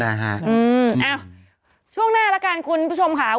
ช่วงหน้าแล้วกันคุณผู้ชมค่ะ